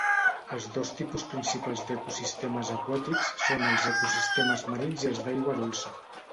Els dos tipus principals d'ecosistemes aquàtics són els ecosistemes marins i els d'aigua dolça.